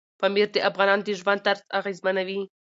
پامیر د افغانانو د ژوند طرز اغېزمنوي.